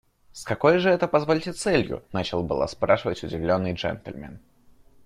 С какой же это, позвольте, целью? – начал было спрашивать удивленный джентльмен.